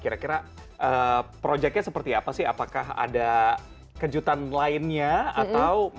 kira kira projectnya seperti apa sih apakah ada kejutan lainnya atau masih di benang merah ya